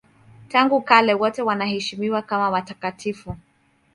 Tangu kale wote wanaheshimiwa kama watakatifu.